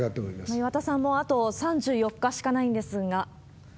岩田さん、もうあと３４日しかないんですが。